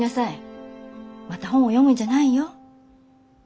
また本を読むんじゃないよ。